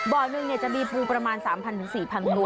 บ่อนึงจะมีปูประมาณ๓๐๐๐๔๐๐๐บาท